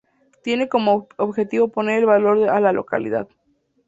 Tiene como objetivo poner en valor la localidad.